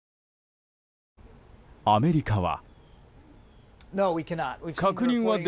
アメリカは。